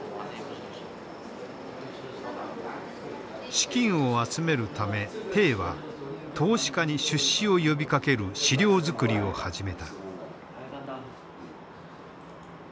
資金を集めるためは投資家に出資を呼びかける資料作りを始めた。